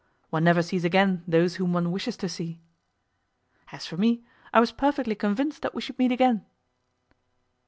'One never sees again those whom one wishes to see.' 'As for me, I was perfectly convinced that we should meet again.